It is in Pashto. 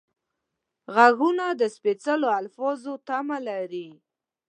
غوږونه د سپېڅلو الفاظو تمه لري